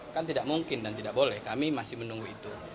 kan tidak mungkin dan tidak boleh kami masih menunggu itu